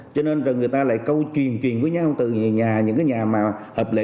cho nên người ta lại câu truyền truyền với nhau từ nhà những cái nhà mà hợp lệ